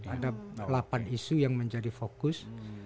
ada delapan isu yang menjadi fokus